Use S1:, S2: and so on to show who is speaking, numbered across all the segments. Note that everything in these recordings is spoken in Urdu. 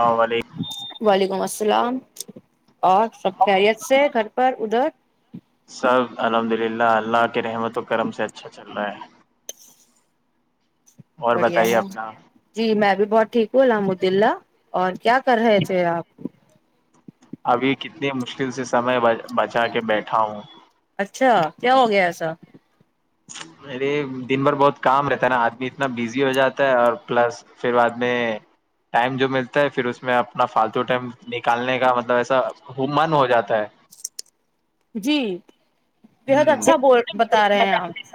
S1: اللام علیکم
S2: وعلیکم الل [unintelligible] السلام [unintelligible] اور سب خیریت سے گھر [unintelligible] پر ادھر [unintelligible]
S1: سب الحمد للہ اللہ کے رحمت و کرم سے اچھا چل رہا ہے [unintelligible] اور
S2: بڑھیا
S1: بتائیے
S2: ہے
S1: اپنا [unintelligible]
S2: جی میں بھی بہت ٹھیک ہ الحمد للہ اور کیا کر رہے تھے آپ
S1: ابھی کتنی مشکل سے سمے بچا کے بیٹھا ہوں [unintelligible]
S2: اچھا کیا ہو گیا ایسا
S1: اے دن بھر بہت کام رہتا ہے نا آدمی اتنا بزی ہو جاتا ہے اور پلس پھر بعد میں ٹائم جو ملتا ہے پھر اس میں اپنا فالتو ٹائم نکالنے کا مطلب ایسا ہو من ہو جاتا ہے [unintelligible]
S2: جی بےحد
S1: ہوں
S2: اچھا ب بتا رہے ہیں آپ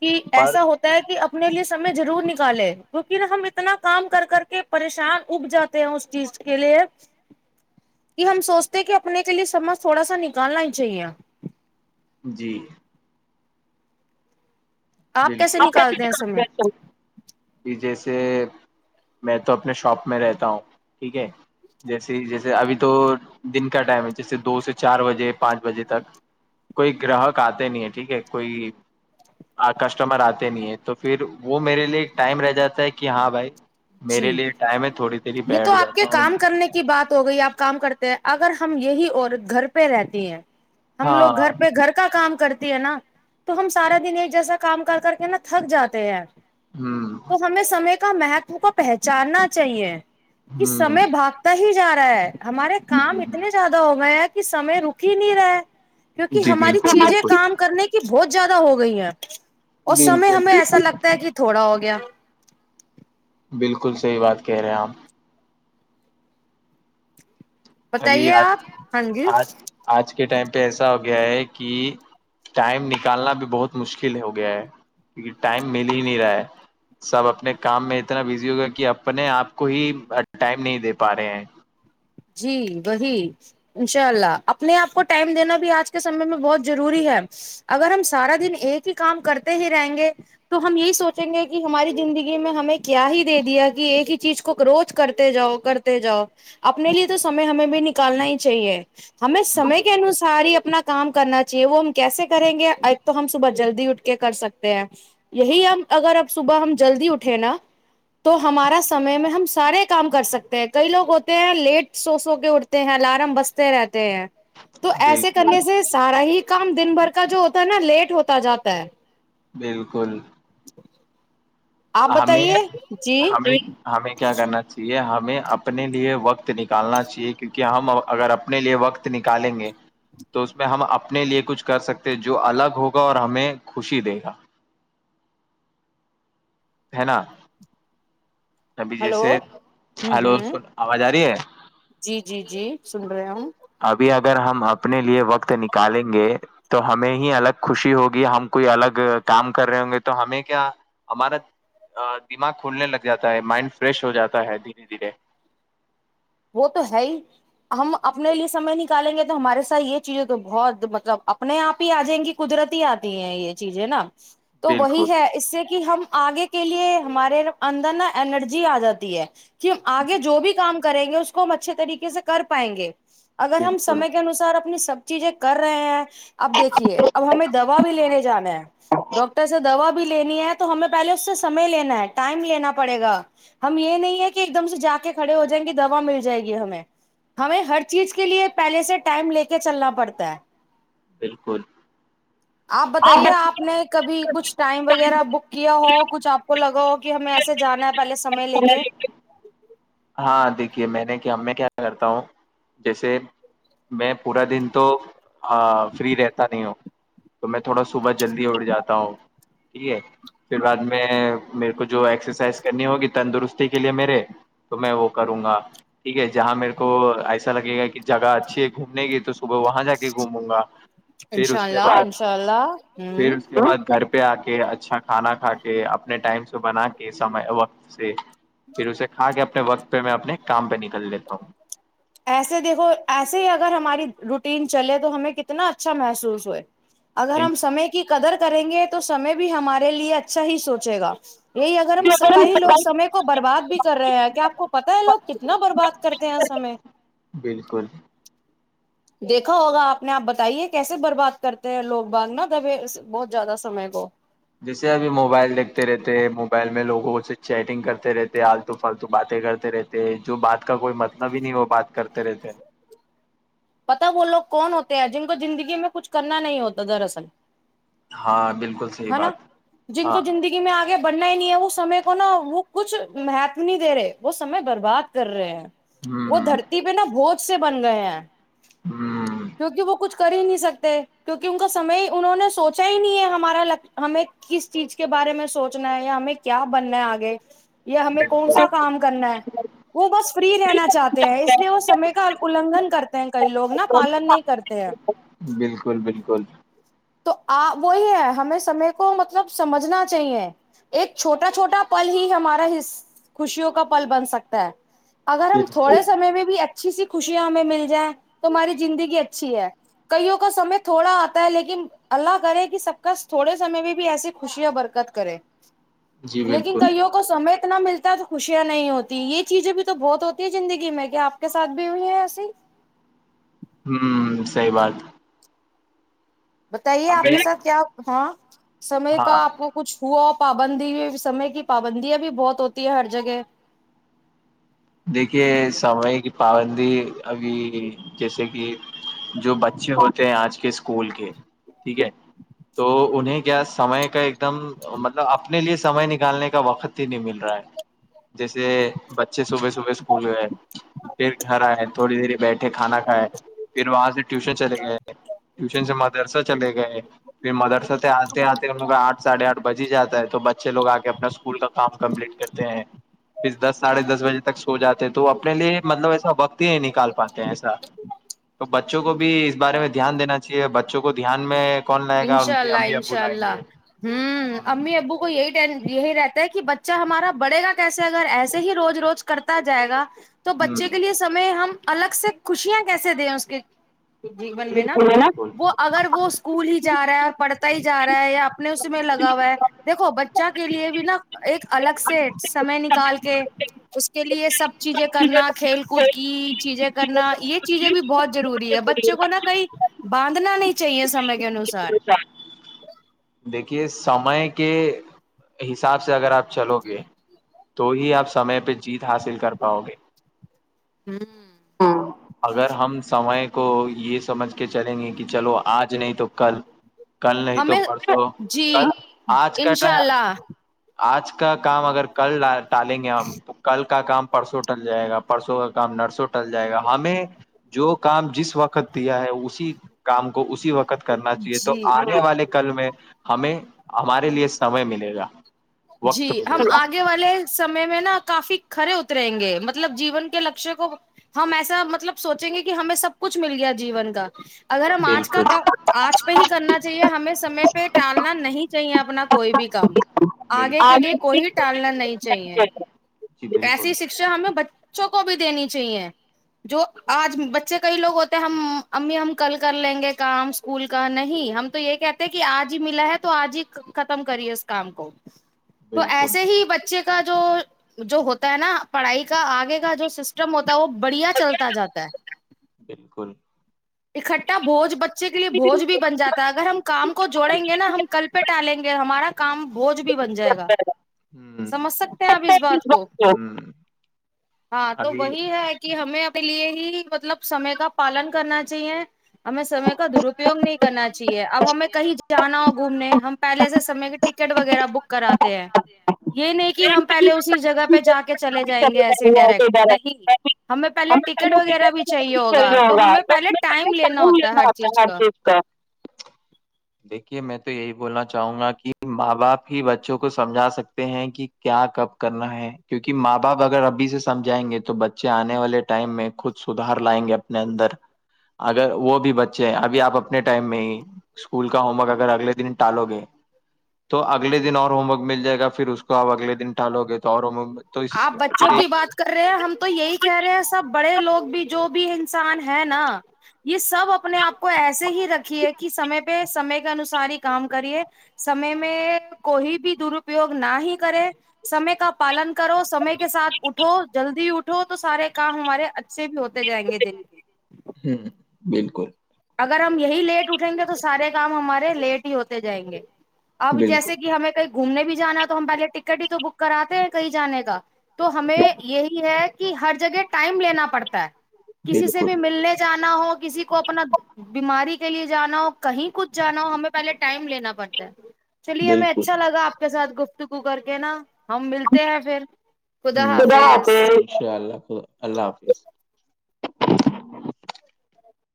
S2: کہ
S1: پر
S2: ایسا ہوتا ہے کہ اب اپنے لیے سمے ضرور نکالے کیونکہ نا ہم اتنا کام کر کر کے پریشان اگ جاتے ہیں اس چیز کے لیے کہ ہم سوچتے کہ اپنے کے لیے سمج تھوڑا سا نکالنا چیا [unintelligible]
S1: جی
S2: آپ کیسے نکالتے ہیں سمے
S1: بالکل جی [unintelligible] سے میں تو [unintelligible] اپنے شاپ میں رہتا ہوں ٹھیک ہے جیسے جیسے ابھی تو دن کا ٹائم ہے جیسے دو سے چار بجے پانچ بجے تک کوئی گراہک آتے نہیں ہے ٹھیک ہے کوئی کسٹمر آتے نہیں ہے تو پھر وہ میرے لیے ٹائم رہ جاتا ہے کہ ہاں بھائی میرے
S2: جی
S1: لیے ٹائم ہے تھوڑی دیر ہی
S2: یہ تو
S1: بیٹھ
S2: آپ کے
S1: جاتا ہوں
S2: کام کرنے کی بات ہو گئی آپ کام کرتے ہیں اگر ہم یہی عورت گھر پہ رہتی ہیں ہم
S1: ہاں
S2: لوگ گھر پہ گھر کا کام کرتے ہے نا تو ہم سارا دن ایک جیسا کام کر کر کے نا تھک جاتے ہیں
S1: ہوں
S2: تو ہمیں سمے محک کو پہچاننا چاہیے کہ
S1: ہوں
S2: سمے باگتا ہی جا رہا ہے ہمارے کام اتنے زیادہ ہو گئے ہیں کہ سمے رک ہی نہیں رہا کیونکہ
S1: جی
S2: ہماری
S1: بالکل
S2: چیزیں
S1: بالکل
S2: کام کرنے کی بہت زیادہ ہو گئی ہیں اس سمے ہمیں ایسا
S1: بالکل
S2: لگتا ہے کہ تھوڑا بہت گیا
S1: بالکل صحیح بات کہہ رہے آپ ابھی
S2: بتائیے
S1: آج
S2: آپ ہاں جی
S1: آج آج کے ٹائم ایسا ہو گیا ہے کہ ٹائم نکالنا بھی بہت مشکل ہو گیا ہے کیکہ ٹائم مل ہی نہیں رہا ہے سب اپنے کام میں اتنا بزی ہو گیا کہ اپنے آپ کو ہی ٹائم نہیں دے پا رہے ہیں
S2: جی وہی انشاء اللہ اپنے آپ کو ٹائم دینا بھی آج کے سمے میں بہت ضروری ہے اگر ہم سارا دن ایک ہی کام کرتے ہی رہیں گے تو ہم یہی سوچیں گے کہ ہماری زندگی میں ہمیں کیا ہی دے دیا کہ ایک ہی چیز کو روز کرتے جاؤ کرتے جاؤ اپنے لیے تو سمے ہمیں بھی نکالنا ہی چاہیے ہمیں سمے کے انوسار ہی اپنا کام کرنا چاہیے وہ ہم کیسے کریں گے ایک تو ہم صبح جلدی اٹھ کے کر سکتے ہیں یہی ہم اگر اب صبح ہم جلدی اٹھیں نا تو ہمارا سمے میں ہم سارے کام کر سکتے ہیں کئی لوگ ہوتے ہیں لیٹ سو سو کے اٹتے ہیں الارم بستے رہتے ہیں تو ایسے
S1: بالکل
S2: کرنے سے سارا ہی کام دن بھر کا جو ہوتا ہے نا لیٹ ہوتا جاتا ہے
S1: بالکل
S2: آپ
S1: ہمیں
S2: بتائیے جی
S1: ہمیں ہمیں کیا کرنا چاہیے ہم ہمیں اپنے لیے وقت نکالنا چاہیے کیونکہ ہم اگر اپنے لیے وقت نکالیں گے تو اس میں ہم اپنے لیے کچھ کر سکتے جو الگ ہوگا اور ہمیں خوشی دے گا ہے نا ابھی
S2: ہلو
S1: جیسے
S2: ہوں
S1: ہلو
S2: ہوں
S1: آواز آ رہی ہے
S2: جی جی جی سن رہے ہوں
S1: ابھی اگر ہم اپنے لیے وقت نکالیں گے تو ہمیں ہی الگ خوشی ہوگی ہم کوئی الگ کام کر رہے ہوں گے تو ہمیں کیا ہمارا دماغ کھلنے لگ جاتا ہے مائنڈ فریش ہو جاتا ہے دھیرے دھیرے
S2: وہ تو ہے ہی ہم اپنے لیے سمے نکالیں گے تو ہمارے ساتھ یہ چیزیں تو بہت مطلب اپنے آپ ہی آ جائیں گی قدرتی آتی ہیں یہ چیزیں نا تو
S1: بالکل
S2: وہی ہے اس سے کہ ہم آگے کے لیے ہمارے اندر نا ارجی آ جاتی ہے کہ آگے جو بھی کام کر کریں گے اس کو ہم اچھے طریقے سے کر پائیں گے اگر ہم
S1: بالکل
S2: سمے کے انسار اپنی سب چیزیں کر رہے ہیں اب دیکھیے اب ہمیں دوا بھی لینے جانا ہے ڈاکٹر سے دوا بھی لینی ہے تو ہمیں پہلے اس سے سمے لینا ہے ٹائم لینا پڑے گا ہم یہ نہیں ہے کہ ایک دم سے جا کے کھڑے ہو جائیں گے تو دوا مل جائے گی ہمیں ہمیں ہر چیز کے لیے پہلے سے ٹائم لے کے چلنا پڑتا ہے
S1: بالکل
S2: آپ بتائیے آپ نے کبھی کچھ ٹائم وغیرہ بک کیا ہو کچھ آپ کو لگا ہو کہ ہمیں ایسے جانا ہے پہلے سمے لے کے
S1: ہاں دیکھیے میں نے کیا میں کیا کرتا ہوں جیسے میں پورا دن تو ہاں فری رہتا نہیں ہو تو میں تھوڑا صبح جلدی اٹ جاتا ہوں ٹھیک ہے پھر بعد میں میرے کچھ جو ایکسرسائز کرنی ہوگی تندرستی کے لیے میرے تو میں وہ کروں گا ٹھیک ہے جہاں میرے کو ایسا لگے گا کہ جگہ اچھی ہے گھومنے کی تو صبح وہاں جا کے گھوموں گا پھر
S2: انشاء
S1: اس کے
S2: اللہ
S1: بعد
S2: انشاء اللہ
S1: پھر
S2: ہ
S1: اس کے بعد گھر پہ آ کے اچھا کھانا کھا کے اپنے ٹائم سے بنا کے سم وقت سے پھر اس سے کے اپنے وقت پہ میں اپنے کام پہ نکل لیتا ہوں
S2: ایسے دیکھو ایسے ہی اگر ہماری روٹین چلے تو ہمیں کتنا اچھا محسوس ہوئے اگر
S1: ان
S2: ہم سمے کی قدر کریں گے تو سمے بھی ہمارے لیے اچھا ہی سوچے گا یہی اگر ہم کئی لوگ سمے کو برباد بھی کر رہے ہیں کیا آپ کو پتا ہے لوگ کتنا برباد کرتے ہیں سمے
S1: بالکل
S2: دیکھا ہوگا آپ نے آپ بتائیے کیسے برباد کرتے ہیں لوگ باندنا دبے بہت زیادہ سمے کو
S1: جیسے ابھی موبائل دیکھتے رہتے ہیں موبائل میں لوگوں سے چیٹنگ کرتے رہتے آالتو فالتو باتیں کرتے رہتے جو بات کا کوئی مطلب ہی نہیں وہ بات کرتے رہتے
S2: پتا وہ لوگ کون ہوتے ہیں جن کو زندگی میں کچھ کرنا نہیں ہوتا دراصل
S1: ہاں بالکل صحی بات ہاں
S2: بننا ہی نہیں ہے وہ سمے کو نا وہ کچھ مہتم نہیں دے رہے وہ سمے برباد کر رہے ہیں وہ
S1: ہوں
S2: دھرتی پہ نا بہت سے بن گئے ہیں
S1: ہوں
S2: کیونکہ وہ کچھ کر ہی نہیں سکتے کیونکہ ان کا سم انہوں نے سوچا ہی نہیں ہے ہمارا ل ہمیں کس چیز کے بارے میں سوچنا ہے یا ہمیں کیا بننا ہے آگے یا ہمیں کون سا
S1: بالکل
S2: کام کرنا ہے وہ بس فری رہنا چاہتے ہیں اس لیے وہ سمے کا النھن کرتے کئی لوگ نا پالن نہیں کرتے ہیں
S1: توول
S2: تو آ وہی ہے ہمیں سمے کو مطلب سمجھنا چاہیے ایک چھوٹا چھوٹا پل ہی ہمارا خوشیوں کا پل بن سکتا ہے اگر ہم
S1: بالکل
S2: تھوڑے سے میں بھی [unintelligible] اچھی سی خوشیاں ہمیں مل جائیں تو ہماری زندگی اچھی ہے کئیوں کا سمے تھوڑا آتا ہے لیکن اللہ کرے کہ سب کا تھوڑے سمے میں بھی ایسی خوشیاں برکت کرے
S1: جی
S2: لیکن
S1: بالکل
S2: کئیوں کو سمیت اتنا ملتا ہے تو خوشیاں نہیں ہوتی یہ چیزیں بھی تو بہت ہوتی ہے زندگی میں کیا آپ کے ساتھ بھی ہوئی ہیں ایسے [unintelligible]
S1: ہوں سحی بات [unintelligible]
S2: بتائیے آپ
S1: ہمیں
S2: کے ساتھ کیا ہاں [inaudible] سمے کا
S1: ہاں
S2: آپ کو کچھ ہوا [unintelligible] پابندی سمے کی پابندیاں بھی بہت ہوتی ہے ہر جگہ [inaudible]
S1: دیکھیے سمے کی پابندی ابھی جیسے کہ جو بچے ہوتے ہیں آج کل [unintelligible] کے اسکول کے ٹھیک ہے تو انہیں کیا سمے کا ایک دم مطلب اپنے لیے سمئے نکالنے کا وقت [unintelligible] نہیں مل رہا ہے جیسے بچے س [unintelligible] صبح صبح اسکول گئے پھر گھر آئے تھوڑی دھیر بیٹھے کھانا کھائے پھر وہاں سے ٹیوشن چلے گئے ٹیوشن سے مدرسہ چلے گئے پھر مدرسہ سے آتے آتے ہم لوگ کا آھ ساڑھے آٹھ بج ہی جاتا ہے [unintelligible] تو بچ [inaudible] اچھے لوگ آ کے اپنا اسکول کا کام کمپلیٹ کرتے ہیں پھر دس ساڑھے دس بجے [unintelligible] جاتے تھے [unintelligible] تو اپنے لیے مطلب ایسا وکت ہی نکال پاتے ہیں ایسا تو [unintelligible] بچوں کو بھی [unintelligible] بارے میں دھیان دین چاہیے بچے بچوں کو دھیان میں [unintelligible] ان
S2: انشاء
S1: کے
S2: اللہ
S1: امی ابو
S2: انشاء
S1: لائیں
S2: اللہ ہوں
S1: گے
S2: امی ابو کو یہی ٹین یہی رہتا ہے کہ بچہ ہمارا بڑھے گا کیسے اگر ایسے ہی روز روز کرتا جائے گا [unintelligible] تو
S1: ہ
S2: بچے کے لیے سمے ہم الگ سے خوشیاں کیسے دے ہیں اس کے جین میں نا
S1: بالکل
S2: وہ اگر وہ اسکول ہی پڑھتا ہی جا رہا ہے یا اپنے اس میں لگا ہوا ہے دیکھو بچہ کے لیے بھی نا ایک الگ سے سمے نکال کے اس کے لیے سب [unintelligible] چیزیں کرنا کھیل کود [unintelligible] کی چیزیں کرنا یہ چیزیں بھی بہت ضروری ہے بچوں کو نا کہیں باندنا نہیں چاہیے سمے کے انسار [unintelligible] چار [unintelligible]
S1: دیکھیے سمے کے حساب سے اگر آپ چلو گ تو ہی آپ سمے پہ جیت حاصل کر پاؤ گے
S2: ہوں
S1: اگر ہم سمئے کو یہ سمجھ کے چلیں گے کہ چلو آج نہیں تو کل کل نہیں تو
S2: ہمیں
S1: پرڑھسو
S2: جی
S1: کل آج کا
S2: انشاء
S1: ٹائم
S2: اللہ
S1: آج کا کام اگر کل ڈا الیں گے ہم تو کل کو کا کام پرسوں ٹل جائے گا پرسوں کا کام نرسوٹ ل جائے گا ہمیں جو کام جس وقت کیا ہے اسی کام کو کو اسی وقت کرنا چاہیے تو
S2: جی
S1: آنے والے کل میں ہمیں ہمارے لیے سمئے ملے گا
S2: جی
S1: وقت ملے
S2: ہم
S1: گا
S2: آگے والے سمے میں نا کافی کھڑے اتریں گے مطلب جیون کے لکشیہ کو ہم ایسا مطلب سوچیں گے کہ ہمیں سب کچھ مل گیا جیون کا اگر ہم آج کا
S1: بالکل
S2: کام آج پہ ہی کرنا چاہیے ہمیں سمے پہ ٹالنا نہیں چاہیے اپنا کوئی بھی کام آگے
S1: بالکل
S2: کے لیے کوئی ٹالنا نہیں چاہیے
S1: جی بالکل
S2: ایسی شکشا ہمیں [unintelligible] بچوں کو بھی دینی چاہیے جو آج بچے کئی لوگ ہوتے ہیں ہم امی ہم کل کر لیں گے کام اسکول کا نہیں ہم تو یہ کہتے کہ آج ہی ملا ہے تو آج ہی ختم کریے اس کام کو ا [inaudible] تو
S1: بالکل
S2: ایسے ہی بچے کا جو جو ہوتا ہے نا پڑھائی کا آگے کا جو سسٹم ہوتا وہ بڑھیا چلتا جاتا ہے
S1: بالکل
S2: اکٹا بوج ب بچے کے لیے بوج بھی بن جاتا ہے اگر ہم کام کو جوڑیں گے نا ہم کل پہ ٹالیں گے ہمارا کم ب [unintelligible] بھی بن جائے گا سمجھ سکتے ہیں آپ
S1: ہ
S2: اس بات کو
S1: ہ
S2: ہاں تو
S1: ابھی
S2: وہی ہے کہ ہم ہمیں اپنے لیے ہی مطلب سمے کا پالن کرنا چاہیے ہمیں سمے کا درپیوگ نہیں کرنا چاہیے اب ہمیں کہیں جانا ہو گھومنے ہم پہلے سے سمے کے ٹٹ وغیرہ بک کراتے ہیں یہ نہیں کہ ہم پہلے اسی جگہ پہ جا کے چلے جائیں گے ایسے ڈائریکٹ نہیں ہمیں پہلے ٹکٹ وغیرہ بھی چاہیے ہوگا تو ہمیں پہلے ٹائم لینا ہوتا ہے ہر چیز کا
S1: کہ میں تو یہی بولنا چاہوں گا کہ ماں باپ ہی بچوں کو سمجھا سکتے ہیں کہ کیا کب کرنا ہے کیوںکہ ماں باپ اگر ا ا سے سمجھائیں گے تو بچے آنے والے ٹائم میں خود سدھار لائیں گے اپنے اندر اگر وہ بھی بچے ابھی آپ اپنے ٹائم میں ہی اسکول کا ہوم ورک اگر اگلے دن ٹالو گے تو اگلے دن اور ہوم ورک مل جائے گا پھر اس کو آپ اگلے دن ٹالو گے تو اور ہومک تو
S2: آپ بچوں
S1: پھر
S2: کی
S1: [unintelligible]
S2: بات کر رہے ہیں ہم تو یہی کہہ رہے ہیں سب بڑ لوگ بھی جو بھی انسان ہے نا یہ سب اپنے آپ کو ایسے ہی رکھیے کہ سمے پہ سمے کے انوسار ہی کام کریے سمے میں کوئی بھی درپیوگ نہ ہی کرے سمے کا پالن کرو سمے کے ساتھ اٹھو جلدی اٹھو تو سارے کام ہمارے اچھے سے بھی ہوتے جائیں گے دل کے
S1: ہوں بالکل
S2: اگر ہم یہی لیٹ اٹھیں گے تو سارے کام ہمارے لیٹ ہی ہوتے جائیں گے اب
S1: بالکل
S2: جیسے کہ ہمیں کئی گھومنے بھی جانا تو ہم پہلے ٹکٹ ہی تو بک کراتے ہیں کہیں جانے کا تو ہمیں یہی ہے کہ ہر جگہ ٹائم لینا پڑتا ہے کسی سے
S1: بالکل
S2: بھی ملنے جا نہ ہو کسی کو اپنا بیماری کے لیے جانا ہو کہیں کچھ جانا ہو ہمیں پہلے ٹائم لینا پڑتا ہے چلیے ہمیں
S1: بالکل
S2: اچھا لگا کے ساتھ گفتگو کر کے نا ہم ملتے ہیں پھر خدا حافظ
S1: اچھا اللہ خ اللہ حافظ [inaudible] [inaudible]